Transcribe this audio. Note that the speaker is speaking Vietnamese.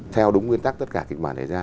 theo đúng nguyên tắc tất cả kịch bản đề ra